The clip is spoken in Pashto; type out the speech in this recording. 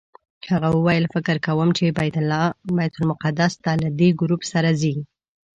هغه وویل فکر کوم چې بیت المقدس ته له دې ګروپ سره ځئ.